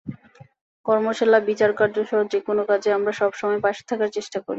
কর্মশালা, বিচারকার্যসহ যেকোনো কাজে আমরা সব সময় পাশে থাকার চেষ্টা করি।